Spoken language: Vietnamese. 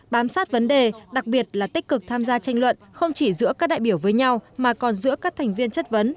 bám sát vấn đề đặc biệt là tích cực tham gia tranh luận không chỉ giữa các đại biểu với nhau mà còn giữa các thành viên chất vấn